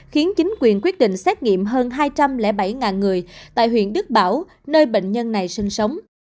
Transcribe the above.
khiến chính quyền quyết định xét nghiệm hơn hai trăm linh bảy người tại huyện đức bảo nơi bệnh nhân này sinh sống